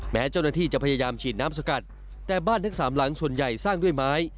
แม้เจ้าหน้าที่จะพยายามฉีดน้ำสกัดแต่บ้านทั้งสามหลังส่วนใหญ่สร้างด้วยไม้